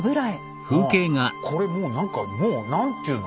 これもう何かもう何ていうの？